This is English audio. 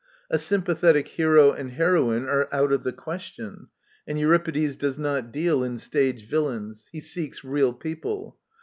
A "sympathetic" hero and heroine are out of the question ; and Euripides does not deal in stage villains. He seeks real people.